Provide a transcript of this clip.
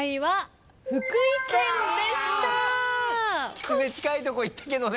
きつね近いとこいったけどね。